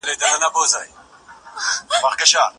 څېړنه د پوهې د پراختیا لپاره ترسره کیږي.